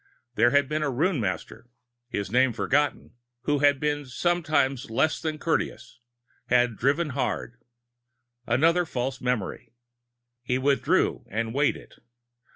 There had been a Ruin Master, his name forgotten, who had been sometimes less than courteous, had driven hard Another false memory! He withdrew and weighed it.